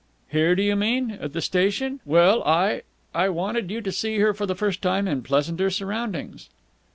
"Here, do you mean? At the station? Well, I I wanted you to see her for the first time in pleasanter surroundings."